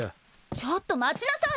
ちょっと待ちなさい！